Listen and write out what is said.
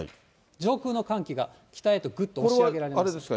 上空の寒気が北へとぐっと押し上これはあれですか？